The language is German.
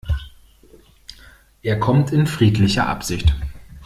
Er kommt in friedlicher Absicht.